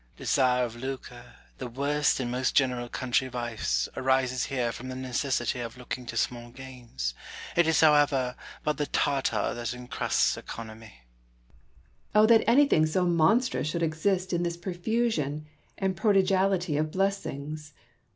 Sidney. Desire of lucre, the worst and most general country vice, arises here from the necessity of looking to small gains ; it is, however, but the tartar that encrusts economy. Brooke. Oh that anything so monstrous should exist in this profusion and prodigality of blessings